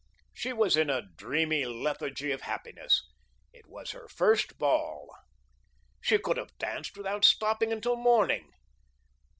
She was in a dreamy lethargy of happiness. It was her "first ball." She could have danced without stopping until morning.